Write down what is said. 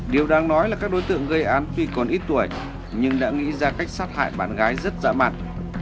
điều đang nói là các đối tượng gây án tuy còn ít tuổi nhưng đã nghĩ ra cách sát hại bạn gái rất dã mạn